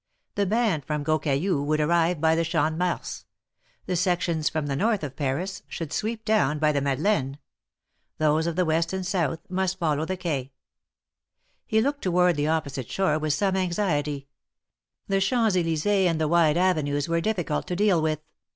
The band from Gros Caillou would arrive by the Champ de Mars ; the sections from the North of Paris should sweep down by the Madeleine; those of the West and South must follow the Quais. He looked toward the opposite shore with some anxiety: the Champs Elys^es and the wide avenues were difficult to deal with.